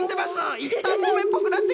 いったんもめんっぽくなってきたぞ。